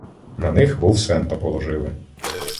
На них Волсента положили